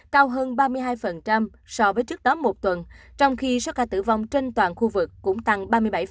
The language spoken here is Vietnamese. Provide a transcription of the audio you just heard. cao hơn ba mươi hai so với trước đó một tuần trong khi số ca tử vong trên toàn khu vực cũng tăng ba mươi bảy